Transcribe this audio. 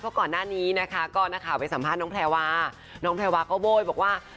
พวกก่อนหน้านี้ก็ไปสัมภาษณ์น้องแพลวาน้องแพลวาก็โบ๊ยบอกว่า